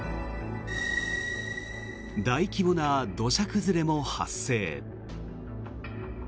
大規模な土砂崩れも発生。